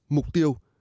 một mục tiêu